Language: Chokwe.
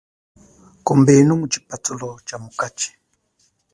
Kombenu mu chipathulo chamukachi.